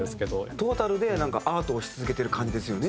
トータルでなんかアートをし続けてる感じですよね